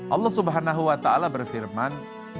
allah swt berfirman